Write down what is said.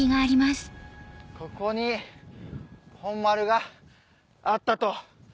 ここに本丸があったと。